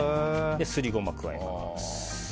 すりゴマを加えます。